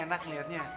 kan enak liatnya